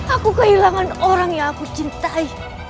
aku kehilangan orang yang aku cintai